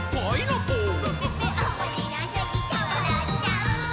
「ぷぷぷおもしろすぎてわらっちゃう」